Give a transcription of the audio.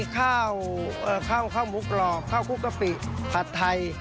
ข้าวข้าวหมูกรอบข้าวคุกกะปิผัดไทย